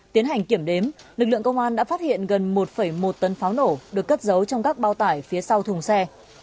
tiến hành kiểm đếm lực lượng công an đã phát hiện gần một một tấn pháo nổ được cất giấu trong các bao tải phía sau thùng xe